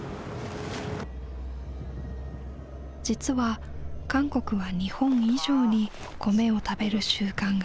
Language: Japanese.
実は韓国は日本以上に米を食べる習慣が根強い。